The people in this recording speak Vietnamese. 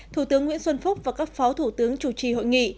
thủ tướng nguyễn xuân phúc và các phó thủ tướng chủ trì hội nghị